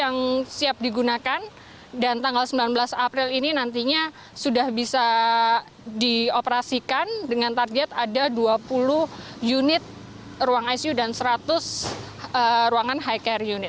yang siap digunakan dan tanggal sembilan belas april ini nantinya sudah bisa dioperasikan dengan target ada dua puluh unit ruang icu dan seratus ruangan high care unit